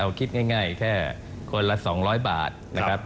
คิดง่ายแค่คนละ๒๐๐บาทนะครับ